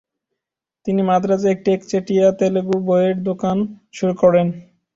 তিনি মাদ্রাজে একটি একচেটিয়া তেলুগু বইয়ের দোকান শুরু করেন।